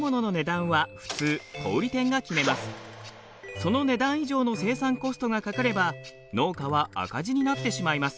その値段以上の生産コストがかかれば農家は赤字になってしまいます。